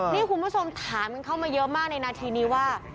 นี่คุณผู้ชมถามกันเข้ามาเยอะมากในนาทีนี้ว่า